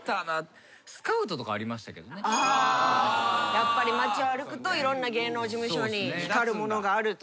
やっぱり街を歩くといろんな芸能事務所に光るものがあると。